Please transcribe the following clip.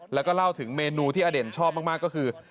แล้วก็เล่าถึงเมนูที่อเด่นชอบมากก็คือ